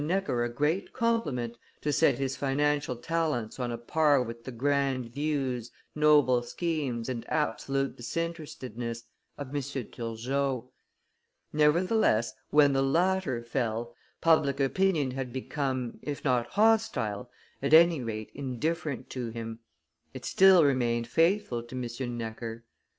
Necker a great compliment to set his financial talents on a par with the grand views, noble schemes, and absolute disinterestedness of M. Turgot. Nevertheless, when the latter fell, public opinion had become, if not hostile, at any rate indifferent to him; it still remained faithful to M. Necker.